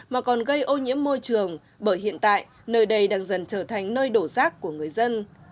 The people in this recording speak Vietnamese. mà còn gây ô nhiễm môi trường bởi hiện tại nơi đây đang dần trở thành nơi đổ rác của người dân